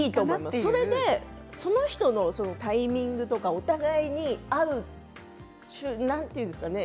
それでその人のタイミングとかお互いに合うなんて言うんでしょうかね。